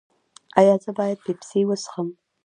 ایا زه باید پیپسي وڅښم؟